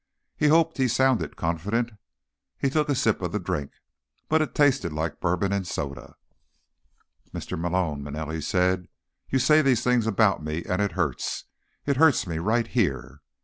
He hoped he sounded confident. He took a sip of the drink, but it tasted like bourbon and soda. "Mr. Malone," Manelli said, "you say these things about me, and it hurts. It hurts me, right here."